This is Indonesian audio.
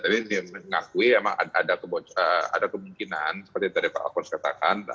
tapi dia mengakui memang ada kemungkinan seperti tadi pak alfons katakan